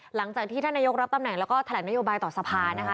หลังจากที่ท่านนายกรับตำแหน่งแล้วก็แถลงนโยบายต่อสภานะคะ